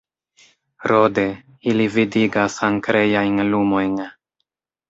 Rode, ili vidigas ankrejajn lumojn.